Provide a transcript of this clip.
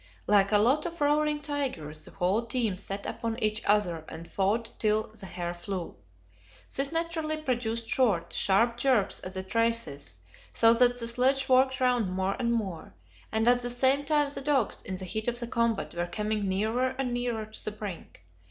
Like a lot of roaring tigers, the whole team set upon each other and fought till the hair flew. This naturally produced short, sharp jerks at the traces, so that the sledge worked round more and more, and at the same time the dogs, in the heat of the combat, were coming nearer and nearer to the brink.